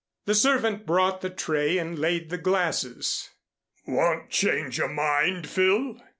The servant brought the tray and laid the glasses. "Won't change your mind, Phil?"